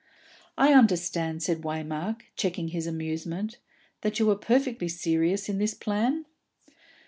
"I understand," said Waymark, checking his amusement, "that you are perfectly serious in this plan?"